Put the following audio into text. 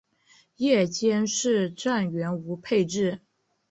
夜间是站员无配置。